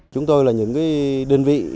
chúng tôi là những đơn vị